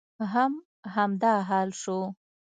هم همدا حال شو.